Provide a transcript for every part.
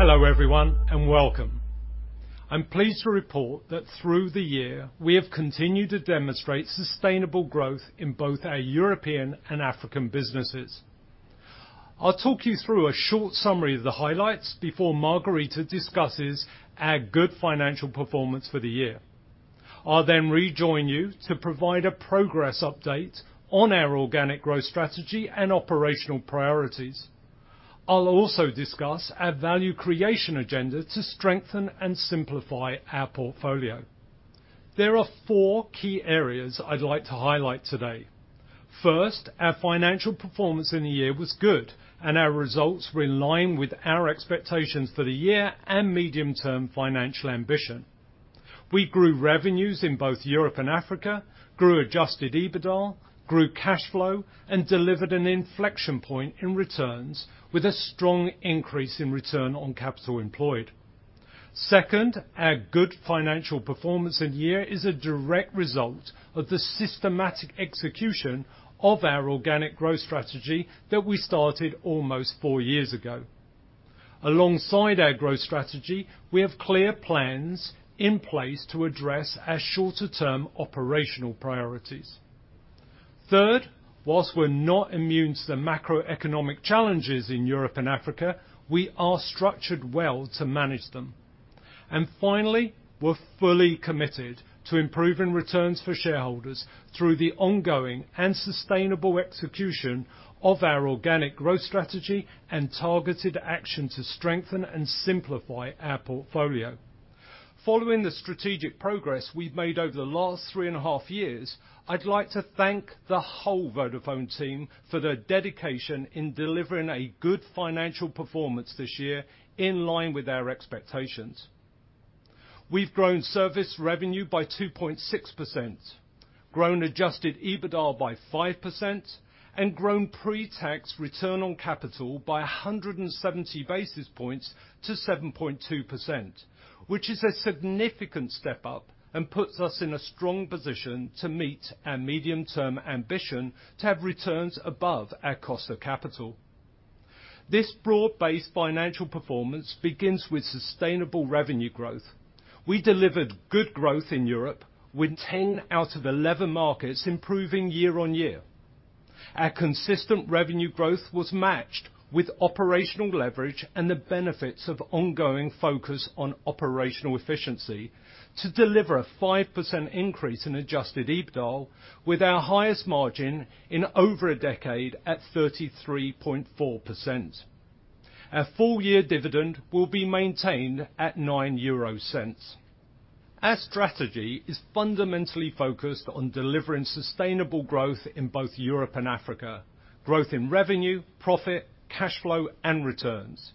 Hello, everyone, and welcome. I'm pleased to report that through the year, we have continued to demonstrate sustainable growth in both our European and African businesses. I'll talk you through a short summary of the highlights before Margherita discusses our good financial performance for the year. I'll then rejoin you to provide a progress update on our organic growth strategy and operational priorities. I'll also discuss our value creation agenda to strengthen and simplify our portfolio. There are four key areas I'd like to highlight today. First, our financial performance in the year was good, and our results were in line with our expectations for the year and medium-term financial ambition. We grew revenues in both Europe and Africa, grew adjusted EBITDA, grew cash flow, and delivered an inflection point in returns with a strong increase in return on capital employed. Second, our good financial performance in the year is a direct result of the systematic execution of our organic growth strategy that we started almost four years ago. Alongside our growth strategy, we have clear plans in place to address our shorter-term operational priorities. Third, while we're not immune to the macroeconomic challenges in Europe and Africa, we are structured well to manage them. Finally, we're fully committed to improving returns for shareholders through the ongoing and sustainable execution of our organic growth strategy and targeted action to strengthen and simplify our portfolio. Following the strategic progress we've made over the last three and a half years, I'd like to thank the whole Vodacom team for their dedication in delivering a good financial performance this year in line with our expectations. We've grown service revenue by 2.6%, grown adjusted EBITDA by 5%, and grown pre-tax return on capital by 170 basis points to 7.2%, which is a significant step up and puts us in a strong position to meet our medium-term ambition to have returns above our cost of capital. This broad-based financial performance begins with sustainable revenue growth. We delivered good growth in Europe with 10 out of 11 markets improving year-on-year. Our consistent revenue growth was matched with operational leverage and the benefits of ongoing focus on operational efficiency to deliver a 5% increase in adjusted EBITDA with our highest margin in over a decade at 33.4%. Our full-year dividend will be maintained at 0.09. Our strategy is fundamentally focused on delivering sustainable growth in both Europe and Africa, growth in revenue, profit, cash flow, and returns.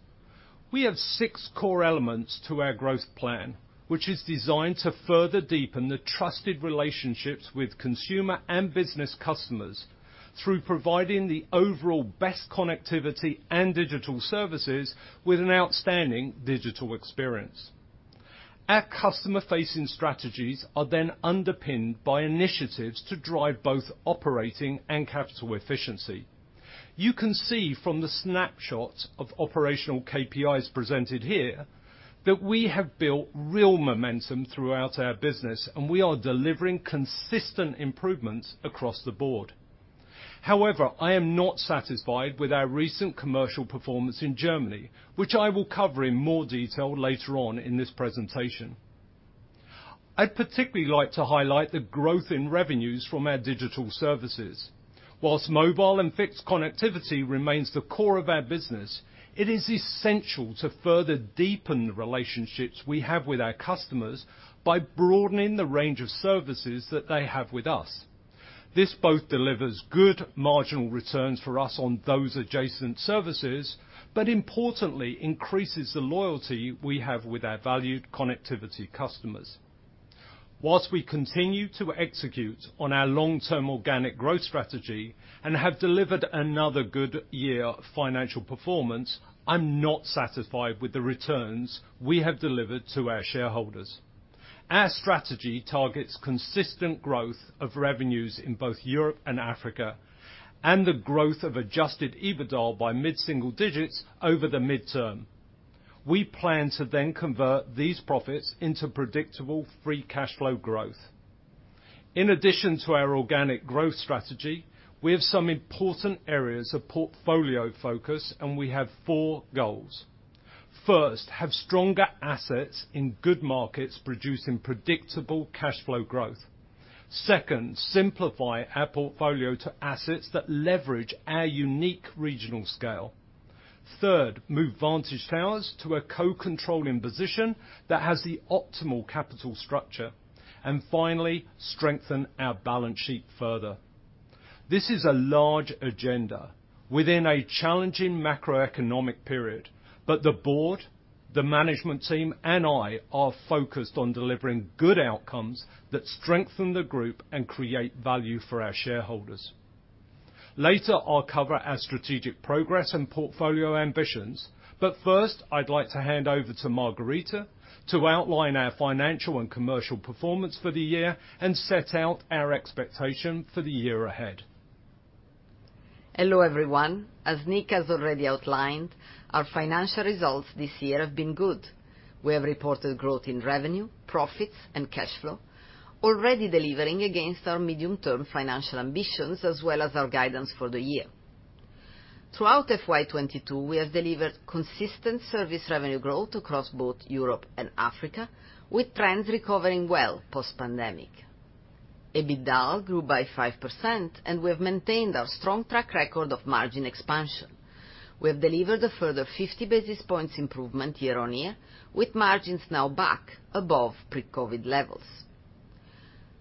We have six core elements to our growth plan, which is designed to further deepen the trusted relationships with consumer and business customers through providing the overall best connectivity and digital services with an outstanding digital experience. Our customer-facing strategies are then underpinned by initiatives to drive both operating and capital efficiency. You can see from the snapshot of operational KPIs presented here that we have built real momentum throughout our business, and we are delivering consistent improvements across the board. However, I am not satisfied with our recent commercial performance in Germany, which I will cover in more detail later on in this presentation. I'd particularly like to highlight the growth in revenues from our digital services. While mobile and fixed connectivity remains the core of our business, it is essential to further deepen the relationships we have with our customers by broadening the range of services that they have with us. This both delivers good marginal returns for us on those adjacent services, but importantly, increases the loyalty we have with our valued connectivity customers. While we continue to execute on our long-term organic growth strategy and have delivered another good year of financial performance, I'm not satisfied with the returns we have delivered to our shareholders. Our strategy targets consistent growth of revenues in both Europe and Africa and the growth of adjusted EBITDA by mid-single digits over the midterm. We plan to then convert these profits into predictable free cash flow growth. In addition to our organic growth strategy, we have some important areas of portfolio focus, and we have four goals. First, have stronger assets in good markets producing predictable cash flow growth. Second, simplify our portfolio to assets that leverage our unique regional scale. Third, move Vantage Towers to a co-controlling position that has the optimal capital structure. Finally, strengthen our balance sheet further. This is a large agenda within a challenging macroeconomic period, but the board, the management team, and I are focused on delivering good outcomes that strengthen the group and create value for our shareholders. Later, I'll cover our strategic progress and portfolio ambitions, but first, I'd like to hand over to Margherita to outline our financial and commercial performance for the year and set out our expectation for the year ahead. Hello, everyone. As Nick has already outlined, our financial results this year have been good. We have reported growth in revenue, profits, and cash flow, already delivering against our medium-term financial ambitions as well as our guidance for the year. Throughout FY 2022, we have delivered consistent service revenue growth across both Europe and Africa, with trends recovering well post-pandemic. EBITDA grew by 5%, and we have maintained our strong track record of margin expansion. We have delivered a further 50 basis points improvement year-on-year, with margins now back above pre-COVID levels.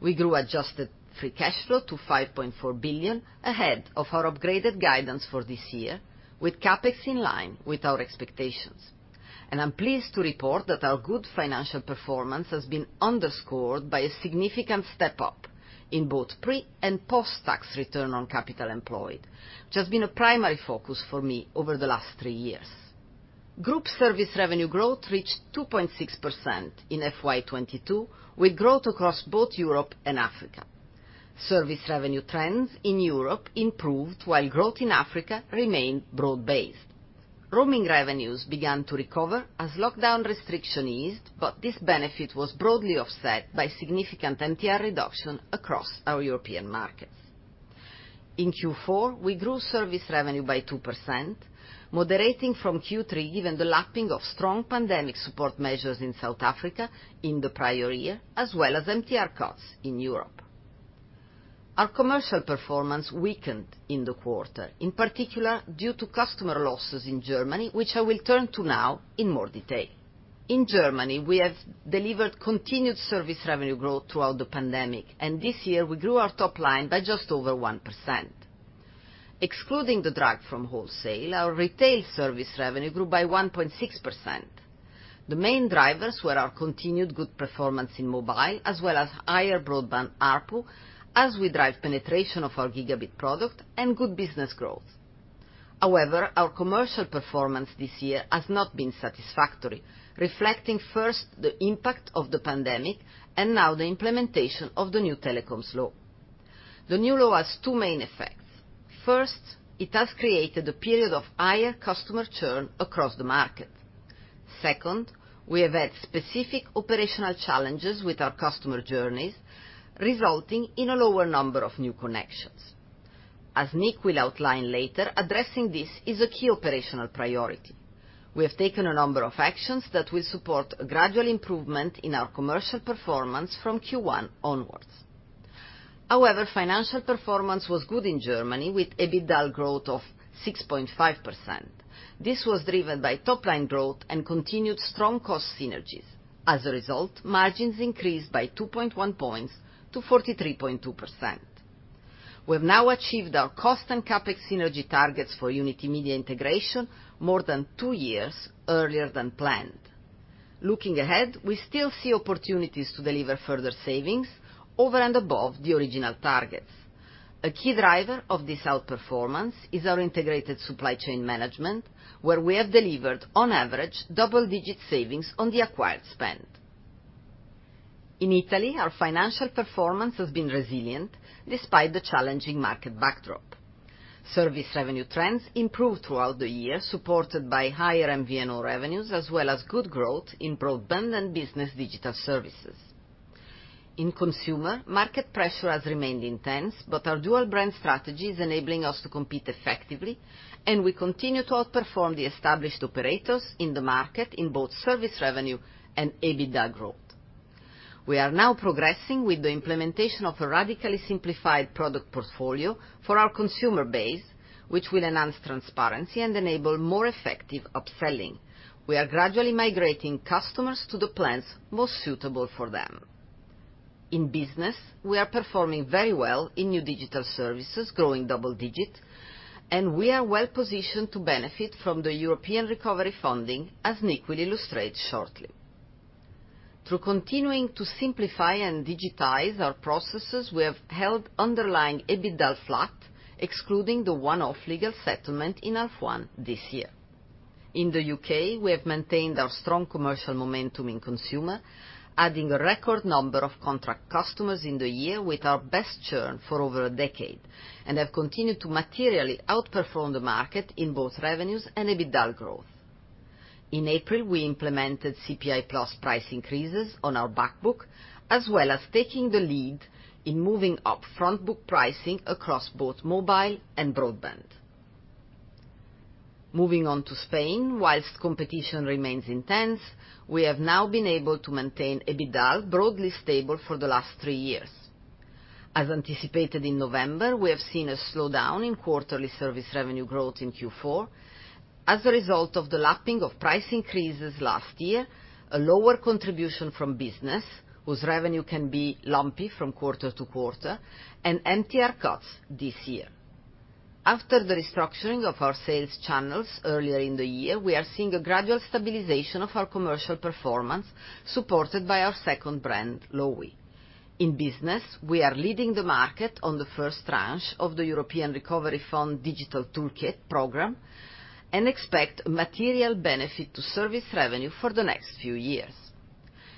We grew adjusted free cash flow to 5.4 billion, ahead of our upgraded guidance for this year, with CapEx in line with our expectations. I'm pleased to report that our good financial performance has been underscored by a significant step-up in both pre- and post-tax return on capital employed, which has been a primary focus for me over the last three years. Group service revenue growth reached 2.6% in FY 2022, with growth across both Europe and Africa. Service revenue trends in Europe improved, while growth in Africa remained broad-based. Roaming revenues began to recover as lockdown restriction eased, but this benefit was broadly offset by significant MTR reduction across our European markets. In Q4, we grew service revenue by 2%, moderating from Q3 given the lapping of strong pandemic support measures in South Africa in the prior year, as well as MTR cuts in Europe. Our commercial performance weakened in the quarter, in particular due to customer losses in Germany, which I will turn to now in more detail. In Germany, we have delivered continued service revenue growth throughout the pandemic, and this year we grew our top line by just over 1%. Excluding the drag from wholesale, our retail service revenue grew by 1.6%. The main drivers were our continued good performance in mobile, as well as higher broadband ARPU as we drive penetration of our gigabit product and good business growth. However, our commercial performance this year has not been satisfactory, reflecting first the impact of the pandemic and now the implementation of the new telecoms law. The new law has two main effects. First, it has created a period of higher customer churn across the market. Second, we have had specific operational challenges with our customer journeys, resulting in a lower number of new connections. As Nick will outline later, addressing this is a key operational priority. We have taken a number of actions that will support a gradual improvement in our commercial performance from Q1 onwards. However, financial performance was good in Germany with EBITDA growth of 6.5%. This was driven by top-line growth and continued strong cost synergies. As a result, margins increased by 2.1 points to 43.2%. We've now achieved our cost and CapEx synergy targets for Unitymedia integration more than two years earlier than planned. Looking ahead, we still see opportunities to deliver further savings over and above the original targets. A key driver of this outperformance is our integrated supply chain management, where we have delivered on average double-digit savings on the acquired spend. In Italy, our financial performance has been resilient despite the challenging market backdrop. Service revenue trends improved throughout the year, supported by higher MVNO revenues as well as good growth in broadband and business digital services. In consumer, market pressure has remained intense, but our dual brand strategy is enabling us to compete effectively, and we continue to outperform the established operators in the market in both service revenue and EBITDA growth. We are now progressing with the implementation of a radically simplified product portfolio for our consumer base, which will enhance transparency and enable more effective upselling. We are gradually migrating customers to the plans most suitable for them. In business, we are performing very well in new digital services, growing double digit, and we are well positioned to benefit from the European recovery funding, as Nick will illustrate shortly. Through continuing to simplify and digitize our processes, we have held underlying EBITDA flat, excluding the one-off legal settlement in half one this year. In the U.K., we have maintained our strong commercial momentum in consumer, adding a record number of contract customers in the year with our best churn for over a decade, and have continued to materially outperform the market in both revenues and EBITDA growth. In April, we implemented CPI plus price increases on our back book, as well as taking the lead in moving up front book pricing across both mobile and broadband. Moving on to Spain, while competition remains intense, we have now been able to maintain EBITDA broadly stable for the last three years. As anticipated in November, we have seen a slowdown in quarterly service revenue growth in Q4 as a result of the lapping of price increases last year, a lower contribution from business, whose revenue can be lumpy from quarter to quarter, and MTR cuts this year. After the restructuring of our sales channels earlier in the year, we are seeing a gradual stabilization of our commercial performance, supported by our second brand, Lowi. In business, we are leading the market on the first tranche of the European Recovery Fund Digital Toolkit program and expect material benefit to service revenue for the next few years.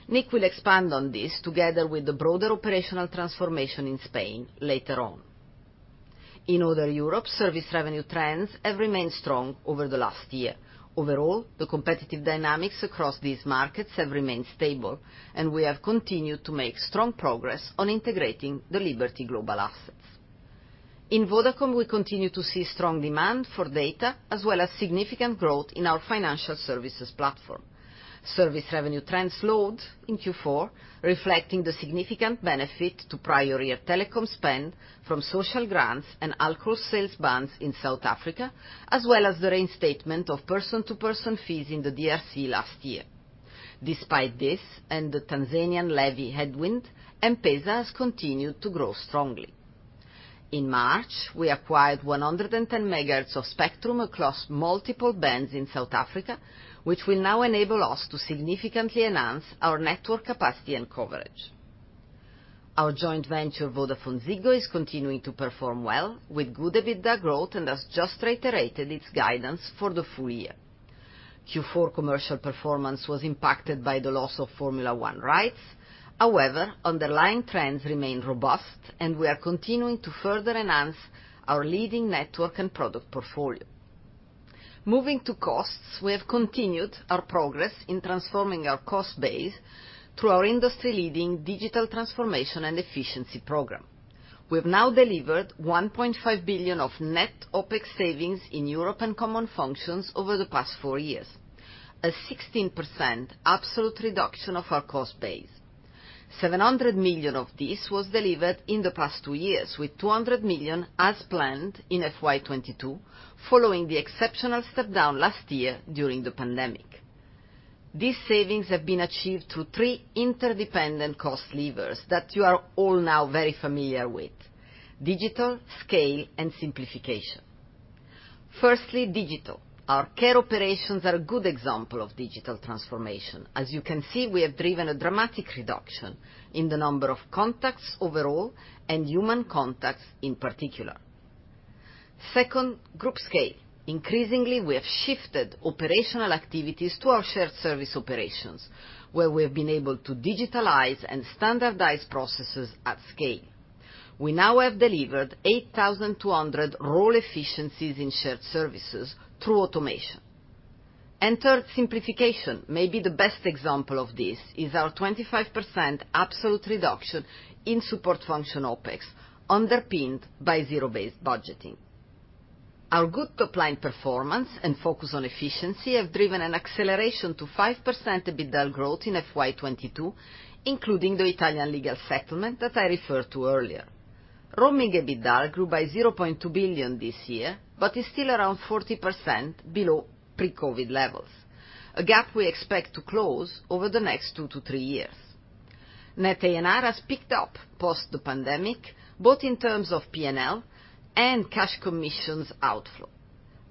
Nick will expand on this together with the broader operational transformation in Spain later on. In other Europe, service revenue trends have remained strong over the last year. Overall, the competitive dynamics across these markets have remained stable, and we have continued to make strong progress on integrating the Liberty Global assets. In Vodafone, we continue to see strong demand for data as well as significant growth in our financial services platform. Service revenue trends slowed in Q4, reflecting the significant benefit to prior year telecom spend from social grants and alcohol sales bans in South Africa, as well as the reinstatement of person-to-person fees in the DRC last year. Despite this and the Tanzanian levy headwind, M-Pesa has continued to grow strongly. In March, we acquired 110 MHz of spectrum across multiple bands in South Africa, which will now enable us to significantly enhance our network capacity and coverage. Our Joint Venture, VodafoneZiggo, is continuing to perform well with good EBITDA growth and has just reiterated its guidance for the full year. Q4 commercial performance was impacted by the loss of Formula 1 rights. However, underlying trends remain robust, and we are continuing to further enhance our leading network and product portfolio. Moving to costs, we have continued our progress in transforming our cost base through our industry-leading digital transformation and efficiency program. We've now delivered 1.5 billion of net OpEx savings in Europe and common functions over the past four years, a 16% absolute reduction of our cost base. 700 million of this was delivered in the past two years, with 200 million as planned in FY 2022, following the exceptional step down last year during the pandemic. These savings have been achieved through three interdependent cost levers that you are all now very familiar with, digital, scale, and simplification. Firstly, digital. Our care operations are a good example of digital transformation. As you can see, we have driven a dramatic reduction in the number of contacts overall and human contacts in particular. Second, group scale. Increasingly, we have shifted operational activities to our shared service operations, where we have been able to digitalize and standardize processes at scale. We now have delivered 8,200 role efficiencies in shared services through automation. Third, simplification. Maybe the best example of this is our 25% absolute reduction in support function OpEx, underpinned by zero-based budgeting. Our good top-line performance and focus on efficiency have driven an acceleration to 5% EBITDA growth in FY 2022, including the Italian legal settlement that I referred to earlier. Roaming EBITDA grew by 0.2 billion this year, but is still around 40% below pre-COVID levels, a gap we expect to close over the next two to three years. Net ANR has picked up post the pandemic, both in terms of P&L and cash commissions outflow.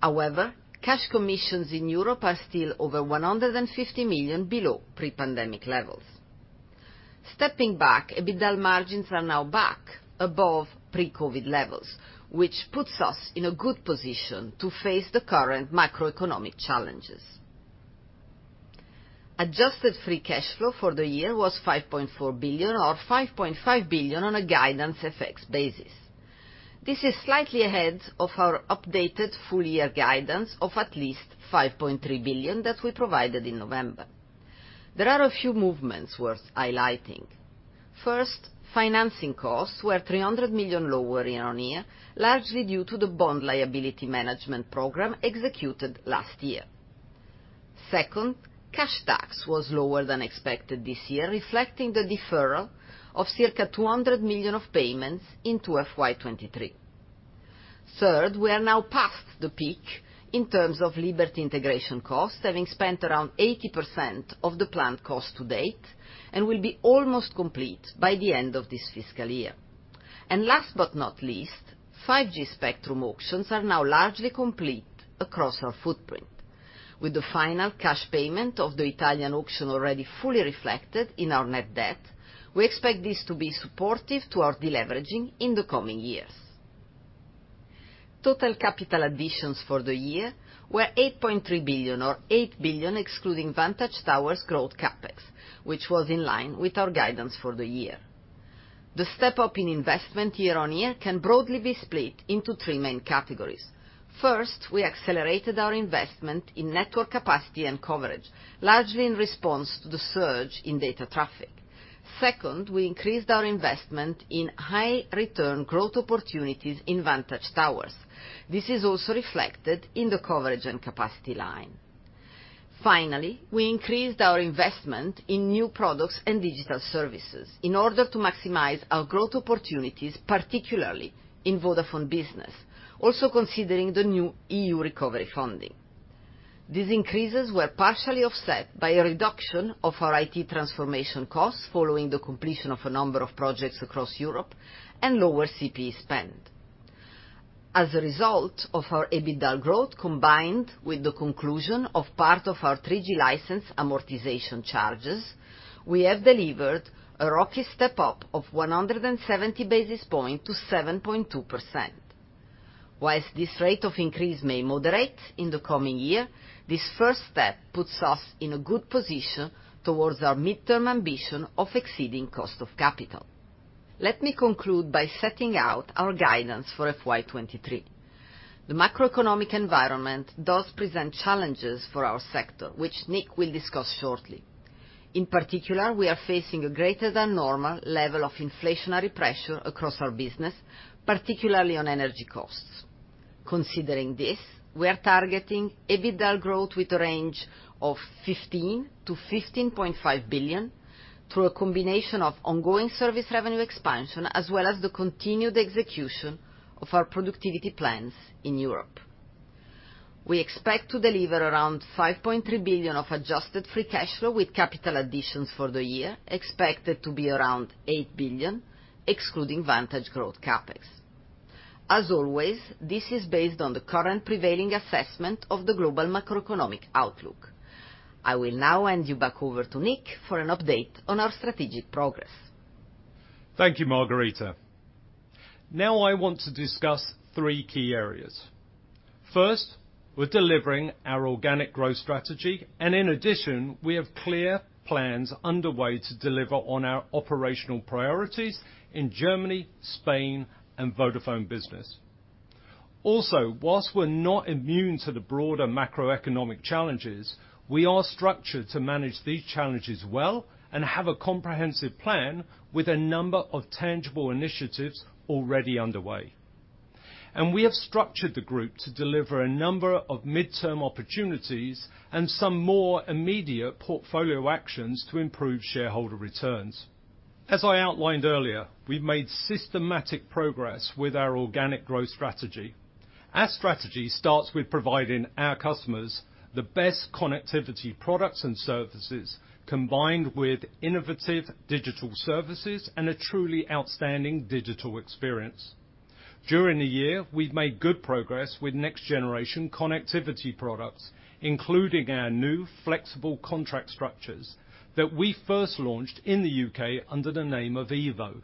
However, cash commissions in Europe are still over 150 million below pre-pandemic levels. Stepping back, EBITDA margins are now back above pre-COVID levels, which puts us in a good position to face the current macroeconomic challenges. Adjusted free cash flow for the year was 5.4 billion or 5.5 billion on a guidance FX basis. This is slightly ahead of our updated full year guidance of at least 5.3 billion that we provided in November. There are a few movements worth highlighting. First, financing costs were 300 million lower year-on-year, largely due to the bond liability management program executed last year. Second, cash tax was lower than expected this year, reflecting the deferral of circa 200 million of payments into FY 2023. Third, we are now past the peak in terms of Liberty integration costs, having spent around 80% of the planned cost to date and will be almost complete by the end of this fiscal year. Last but not least, 5G spectrum auctions are now largely complete across our footprint. With the final cash payment of the Italian auction already fully reflected in our net debt, we expect this to be supportive to our deleveraging in the coming years. Total capital additions for the year were 8.3 billion or 8 billion excluding Vantage Towers growth CapEx, which was in line with our guidance for the year. The step-up in investment year-on-year can broadly be split into three main categories. First, we accelerated our investment in network capacity and coverage, largely in response to the surge in data traffic. Second, we increased our investment in high-return growth opportunities in Vantage Towers. This is also reflected in the coverage and capacity line. Finally, we increased our investment in new products and digital services in order to maximize our growth opportunities, particularly in Vodafone Business, also considering the new EU recovery funding. These increases were partially offset by a reduction of our IT transformation costs following the completion of a number of projects across Europe and lower CPE spend. As a result of our EBITDA growth, combined with the conclusion of part of our 3G license amortization charges, we have delivered a robust step-up of 170 basis points to 7.2%. While this rate of increase may moderate in the coming year, this first step puts us in a good position towards our midterm ambition of exceeding cost of capital. Let me conclude by setting out our guidance for FY 2023. The macroeconomic environment does present challenges for our sector, which Nick will discuss shortly. In particular, we are facing a greater than normal level of inflationary pressure across our business, particularly on energy costs. Considering this, we are targeting EBITDA growth with a range of 15 billion-15.5 billion through a combination of ongoing service revenue expansion, as well as the continued execution of our productivity plans in Europe. We expect to deliver around 5.3 billion of adjusted free cash flow with capital additions for the year, expected to be around 8 billion, excluding Vantage Towers growth CapEx. This is based on the current prevailing assessment of the global macroeconomic outlook. I will now hand you back over to Nick for an update on our strategic progress. Thank you, Margherita. Now I want to discuss three key areas. First, we're delivering our organic growth strategy, and in addition, we have clear plans underway to deliver on our operational priorities in Germany, Spain, and Vodafone Business. Also, while we're not immune to the broader macroeconomic challenges, we are structured to manage these challenges well and have a comprehensive plan with a number of tangible initiatives already underway. We have structured the group to deliver a number of midterm opportunities and some more immediate portfolio actions to improve shareholder returns. As I outlined earlier, we've made systematic progress with our organic growth strategy. Our strategy starts with providing our customers the best connectivity products and services, combined with innovative digital services and a truly outstanding digital experience. During the year, we've made good progress with next-generation connectivity products, including our new flexible contract structures that we first launched in the U.K. under the name of EVO.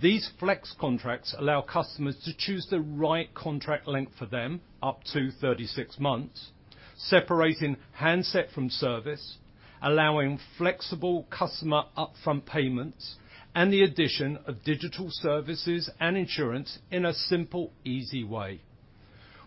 These flex contracts allow customers to choose the right contract length for them, up to 36 months, separating handset from service, allowing flexible customer upfront payments, and the addition of digital services and insurance in a simple, easy way.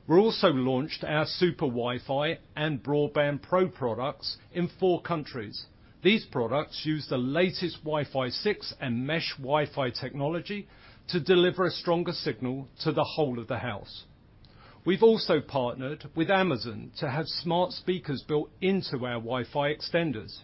We also launched our Super WiFi and Broadband Pro products in four countries. These products use the latest Wi-Fi 6 and mesh Wi-Fi technology to deliver a stronger signal to the whole of the house. We've also partnered with Amazon to have smart speakers built into our Wi-Fi extenders.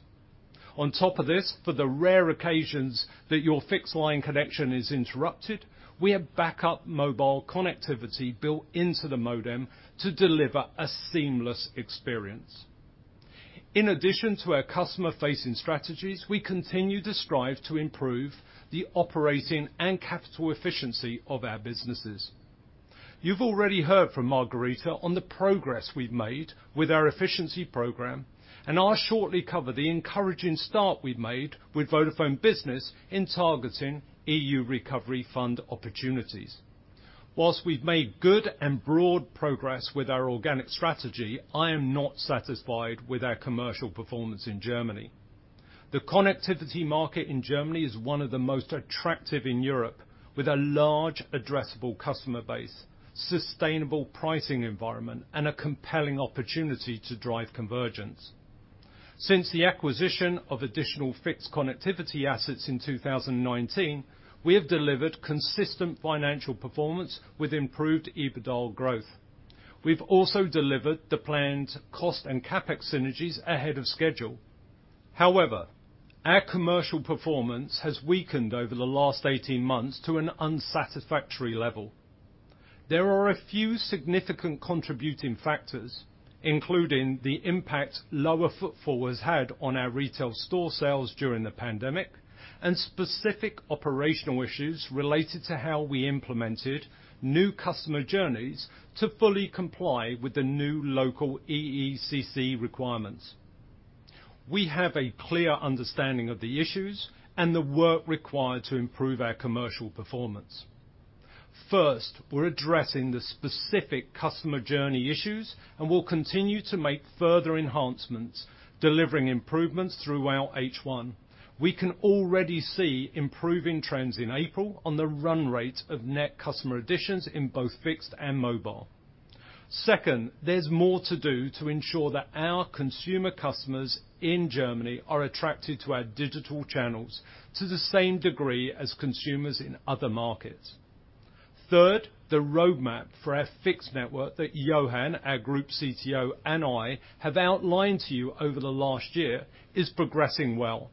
On top of this, for the rare occasions that your fixed line connection is interrupted, we have backup mobile connectivity built into the modem to deliver a seamless experience. In addition to our customer-facing strategies, we continue to strive to improve the operating and capital efficiency of our businesses. You've already heard from Margherita on the progress we've made with our efficiency program, and I'll shortly cover the encouraging start we've made with Vodafone Business in targeting EU recovery fund opportunities. While we've made good and broad progress with our organic strategy, I am not satisfied with our commercial performance in Germany. The connectivity market in Germany is one of the most attractive in Europe, with a large addressable customer base, sustainable pricing environment, and a compelling opportunity to drive convergence. Since the acquisition of additional fixed connectivity assets in 2019, we have delivered consistent financial performance with improved EBITDA growth. We've also delivered the planned cost and CapEx synergies ahead of schedule. However, our commercial performance has weakened over the last 18 months to an unsatisfactory level. There are a few significant contributing factors, including the impact lower footfall has had on our retail store sales during the pandemic, and specific operational issues related to how we implemented new customer journeys to fully comply with the new local EECC requirements. We have a clear understanding of the issues and the work required to improve our commercial performance. First, we're addressing the specific customer journey issues, and we'll continue to make further enhancements, delivering improvements throughout H1. We can already see improving trends in April on the run rate of net customer additions in both fixed and mobile. Second, there's more to do to ensure that our consumer customers in Germany are attracted to our digital channels to the same degree as consumers in other markets. Third, the roadmap for our fixed network that Johan, our Group CTO, and I have outlined to you over the last year is progressing well.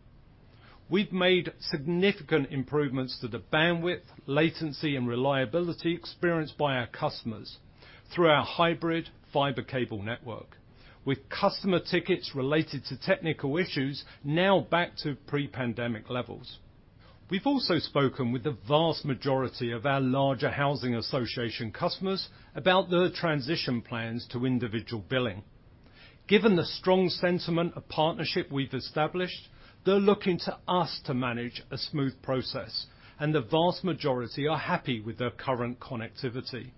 We've made significant improvements to the bandwidth, latency, and reliability experienced by our customers through our hybrid fiber cable network, with customer tickets related to technical issues now back to pre-pandemic levels. We've also spoken with the vast majority of our larger housing association customers about the transition plans to individual billing. Given the strong sentiment of partnership we've established, they're looking to us to manage a smooth process, and the vast majority are happy with their current connectivity.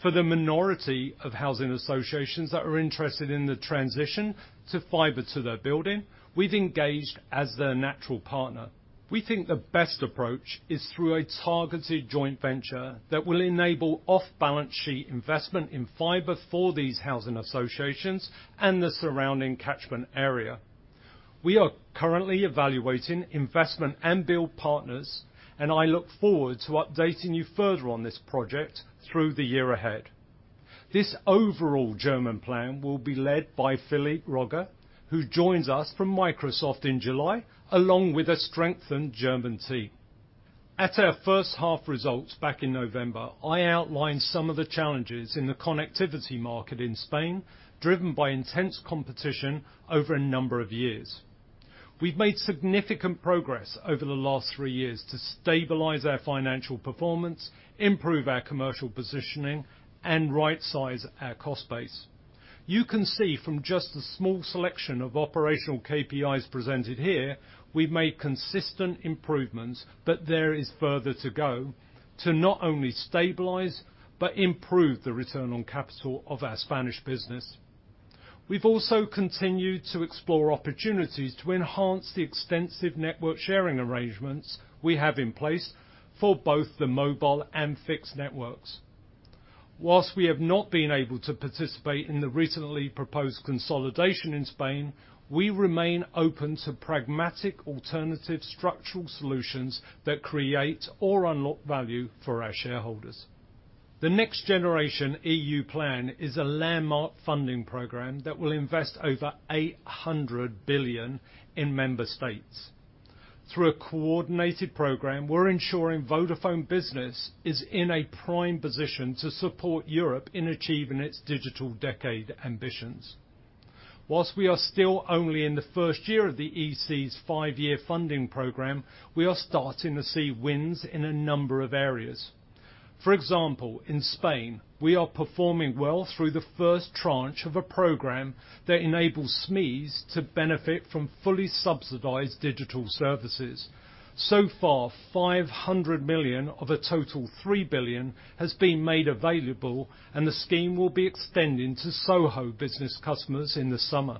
For the minority of housing associations that are interested in the transition to Fiber to the Building, we've engaged as their natural partner. We think the best approach is through a targeted joint venture that will enable off-balance sheet investment in fiber for these housing associations and the surrounding catchment area. We are currently evaluating investment and build partners, and I look forward to updating you further on this project through the year ahead. This overall German plan will be led by Philippe Rogge, who joins us from Microsoft in July, along with a strengthened German team. At our first half results back in November, I outlined some of the challenges in the connectivity market in Spain, driven by intense competition over a number of years. We've made significant progress over the last three years to stabilize our financial performance, improve our commercial positioning, and right-size our cost base. You can see from just a small selection of operational KPIs presented here, we've made consistent improvements, but there is further to go to not only stabilize, but improve the return on capital of our Spanish business. We've also continued to explore opportunities to enhance the extensive network sharing arrangements we have in place for both the mobile and fixed networks. While we have not been able to participate in the recently proposed consolidation in Spain, we remain open to pragmatic alternative structural solutions that create or unlock value for our shareholders. The NextGenerationEU plan is a landmark funding program that will invest over 800 billion in member states. Through a coordinated program, we're ensuring Vodafone Business is in a prime position to support Europe in achieving its digital decade ambitions. While we are still only in the first year of the EC's five-year funding program, we are starting to see wins in a number of areas. For example, in Spain, we are performing well through the first tranche of a program that enables SMEs to benefit from fully subsidized digital services. So far, 500 million of a total 3 billion has been made available, and the scheme will be extending to SOHO business customers in the summer.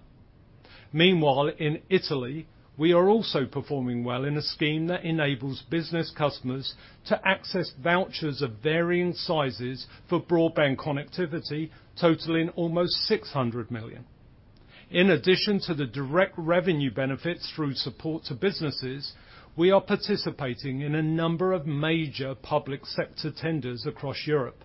Meanwhile, in Italy, we are also performing well in a scheme that enables business customers to access vouchers of varying sizes for broadband connectivity, totaling almost 600 million. In addition to the direct revenue benefits through support to businesses, we are participating in a number of major public sector tenders across Europe.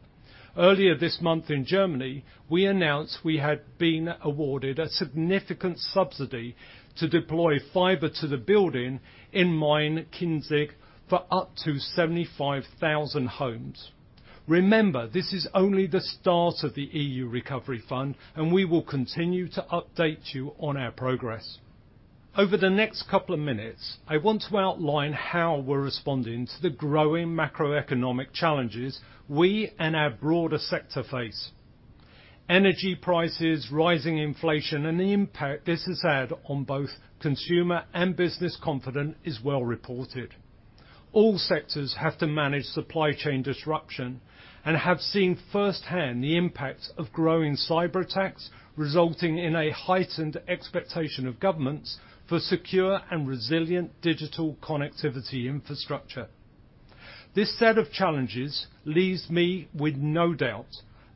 Earlier this month in Germany, we announced we had been awarded a significant subsidy to deploy fiber to the building in Main-Kinzig for up to 75,000 homes. Remember, this is only the start of the NextGenerationEU, and we will continue to update you on our progress. Over the next couple of minutes, I want to outline how we're responding to the growing macroeconomic challenges we and our broader sector face. Energy prices, rising inflation, and the impact this has had on both consumer and business confidence is well reported. All sectors have to manage supply chain disruption and have seen firsthand the impact of growing cyberattacks, resulting in a heightened expectation of governments for secure and resilient digital connectivity infrastructure. This set of challenges leaves me with no doubt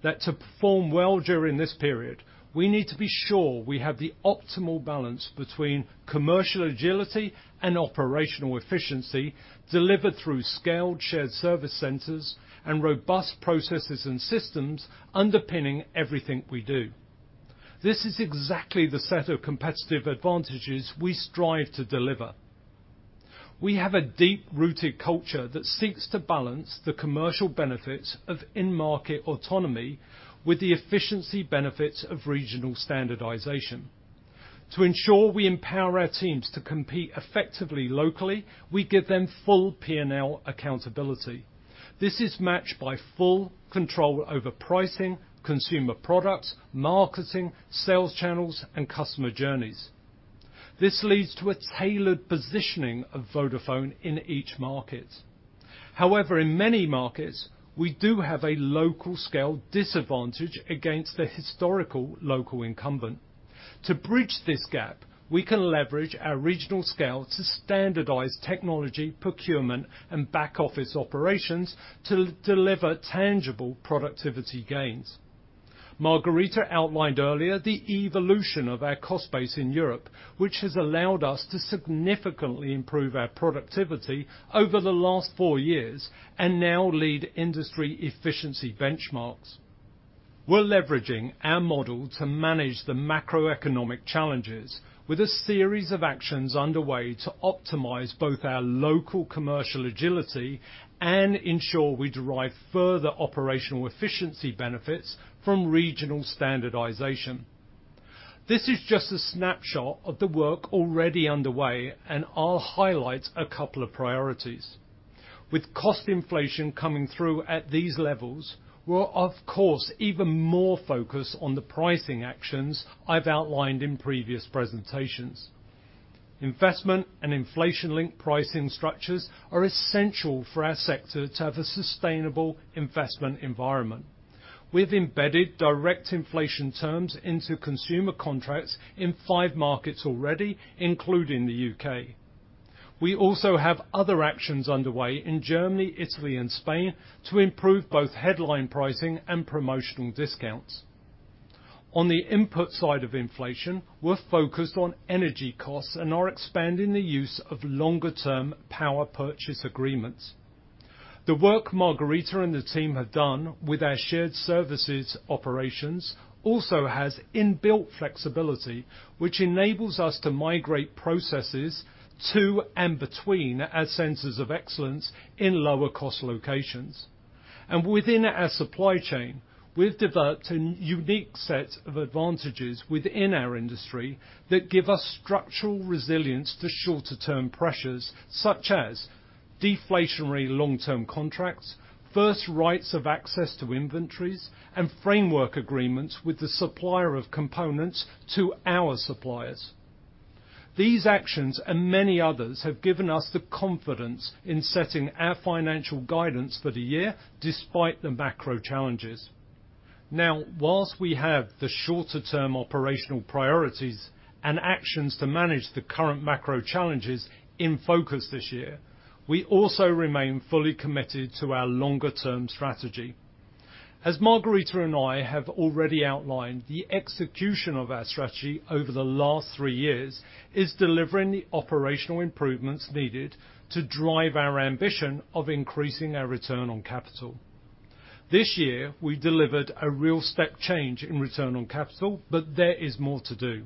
that to perform well during this period, we need to be sure we have the optimal balance between commercial agility and operational efficiency delivered through scaled shared service centers and robust processes and systems underpinning everything we do. This is exactly the set of competitive advantages we strive to deliver. We have a deep-rooted culture that seeks to balance the commercial benefits of in-market autonomy with the efficiency benefits of regional standardization. To ensure we empower our teams to compete effectively locally, we give them full P&L accountability. This is matched by full control over pricing, consumer products, marketing, sales channels, and customer journeys. This leads to a tailored positioning of Vodafone in each market. However, in many markets, we do have a local scale disadvantage against the historical local incumbent. To bridge this gap, we can leverage our regional scale to standardize technology, procurement, and back-office operations to deliver tangible productivity gains. Margherita outlined earlier the evolution of our cost base in Europe, which has allowed us to significantly improve our productivity over the last four years and now lead industry efficiency benchmarks. We're leveraging our model to manage the macroeconomic challenges with a series of actions underway to optimize both our local commercial agility and ensure we derive further operational efficiency benefits from regional standardization. This is just a snapshot of the work already underway, and I'll highlight a couple of priorities. With cost inflation coming through at these levels, we're of course even more focused on the pricing actions I've outlined in previous presentations. Investment and inflation-linked pricing structures are essential for our sector to have a sustainable investment environment. We've embedded direct inflation terms into consumer contracts in five markets already, including the U.K. We also have other actions underway in Germany, Italy, and Spain to improve both headline pricing and promotional discounts. On the input side of inflation, we're focused on energy costs and are expanding the use of longer-term power purchase agreements. The work Margherita and the team have done with our shared services operations also has inbuilt flexibility, which enables us to migrate processes to and between our centers of excellence in lower-cost locations. Within our supply chain, we've developed a unique set of advantages within our industry that give us structural resilience to shorter-term pressures, such as deflationary long-term contracts, first rights of access to inventories, and framework agreements with the supplier of components to our suppliers. These actions and many others have given us the confidence in setting our financial guidance for the year despite the macro challenges. Now, while we have the shorter-term operational priorities and actions to manage the current macro challenges in focus this year, we also remain fully committed to our longer-term strategy. As Margherita and I have already outlined, the execution of our strategy over the last three years is delivering the operational improvements needed to drive our ambition of increasing our return on capital. This year, we delivered a real step change in return on capital, but there is more to do.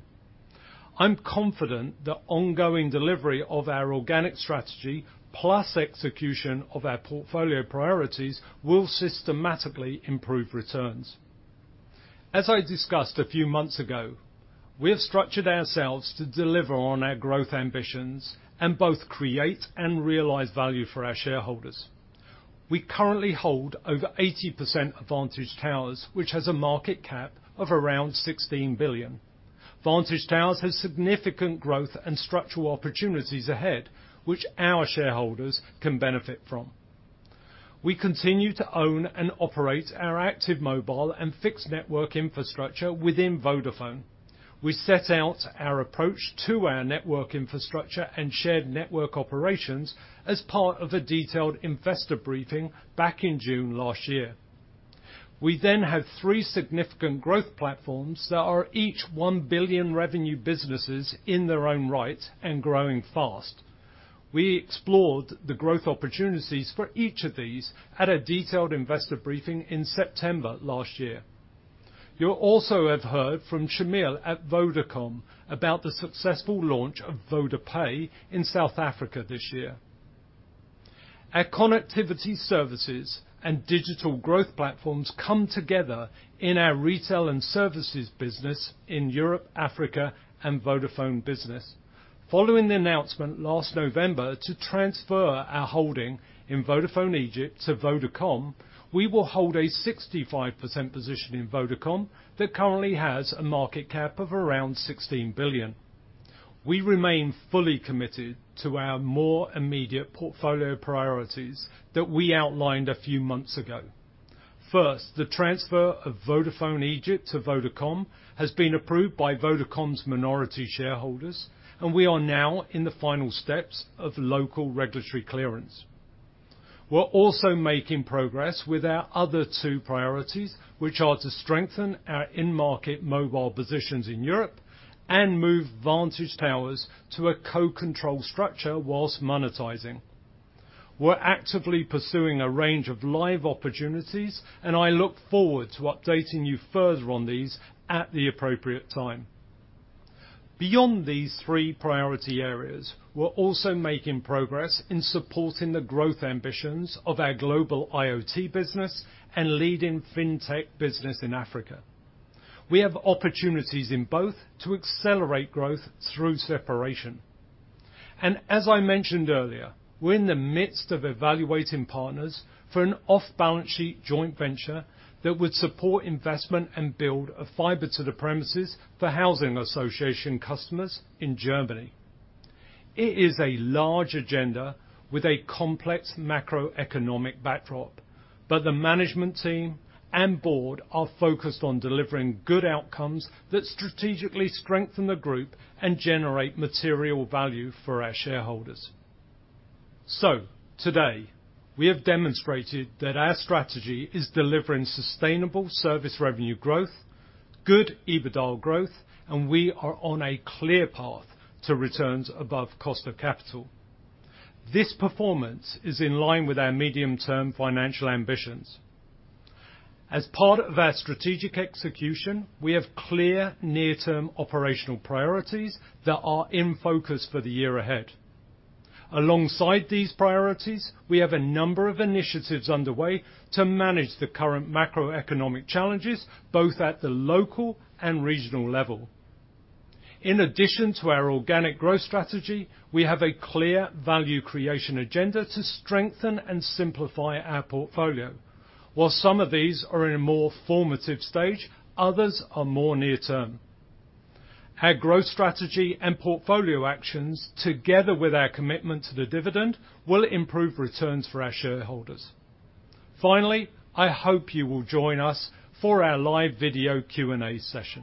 I'm confident the ongoing delivery of our organic strategy, plus execution of our portfolio priorities, will systematically improve returns. As I discussed a few months ago, we have structured ourselves to deliver on our growth ambitions and both create and realize value for our shareholders. We currently hold over 80% of Vantage Towers, which has a market cap of around 16 billion. Vantage Towers has significant growth and structural opportunities ahead, which our shareholders can benefit from. We continue to own and operate our active mobile and fixed network infrastructure within Vodafone. We set out our approach to our network infrastructure and shared network operations as part of a detailed investor briefing back in June last year. We then have three significant growth platforms that are each 1 billion revenue businesses in their own right and growing fast. We explored the growth opportunities for each of these at a detailed investor briefing in September last year. You'll also have heard from Shameel at Vodacom about the successful launch of VodaPay in South Africa this year. Our connectivity services and digital growth platforms come together in our retail and services business in Europe, Africa, and Vodafone Business. Following the announcement last November to transfer our holding in Vodafone Egypt to Vodacom, we will hold a 65% position in Vodacom that currently has a market cap of around 16 billion. We remain fully committed to our more immediate portfolio priorities that we outlined a few months ago. First, the transfer of Vodafone Egypt to Vodacom has been approved by Vodacom's minority shareholders, and we are now in the final steps of local regulatory clearance. We're also making progress with our other two priorities, which are to strengthen our in-market mobile positions in Europe and move Vantage Towers to a co-controlled structure whilst monetizing. We're actively pursuing a range of live opportunities, and I look forward to updating you further on these at the appropriate time. Beyond these three priority areas, we're also making progress in supporting the growth ambitions of our global IoT business and leading fintech business in Africa. We have opportunities in both to accelerate growth through separation. As I mentioned earlier, we're in the midst of evaluating partners for an off-balance-sheet joint venture that would support investment and build a Fiber to the Premises for housing association customers in Germany. It is a large agenda with a complex macroeconomic backdrop, but the management team and board are focused on delivering good outcomes that strategically strengthen the group and generate material value for our shareholders. Today, we have demonstrated that our strategy is delivering sustainable service revenue growth, good EBITDA growth, and we are on a clear path to returns above cost of capital. This performance is in line with our medium-term financial ambitions. As part of our strategic execution, we have clear near-term operational priorities that are in focus for the year ahead. Alongside these priorities, we have a number of initiatives underway to manage the current macroeconomic challenges, both at the local and regional level. In addition to our organic growth strategy, we have a clear value creation agenda to strengthen and simplify our portfolio. While some of these are in a more formative stage, others are more near-term. Our growth strategy and portfolio actions, together with our commitment to the dividend, will improve returns for our shareholders. Finally, I hope you will join us for our live video Q&A session.